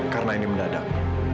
karena ini mendadak